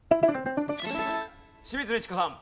清水ミチコさん。